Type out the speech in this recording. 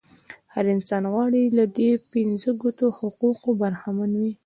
هر انسان غواړي له دې پنځه ګونو حقوقو برخمن وي.